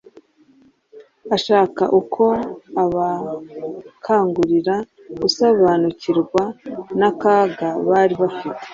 ashaka uko abakangurira gusobanukirwa n’akaga bari bafite.